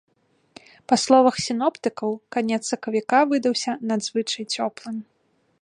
Па словах сіноптыкаў, канец сакавіка выдаўся надзвычай цёплым.